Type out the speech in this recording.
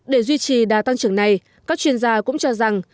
để duy trì đa tăng trưởng này các chuyên gia cũng cho rằng